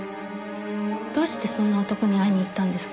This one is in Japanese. どうしてそんな男に会いに行ったんですか？